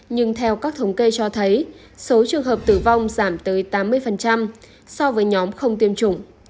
nhưng theo các thống kê cho thấy số trường hợp tử vong giảm tới tám mươi so với nhóm không tiêm chủng